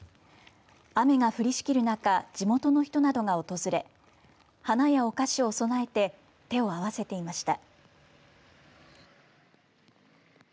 雨が降りしきる中地元の人などが訪れ花やお菓子を供えて手を合わせていました。